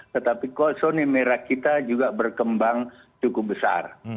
tetapi zona merah kita juga berkembang cukup besar